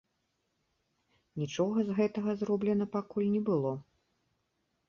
Нічога з гэтага зроблена пакуль не было.